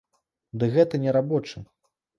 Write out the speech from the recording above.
Ды гэта не рабочы.